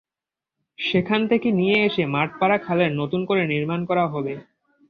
সেখান থেকে নিয়ে এসে মাঠপাড়া খালের নতুন করে নির্মাণ করা হবে।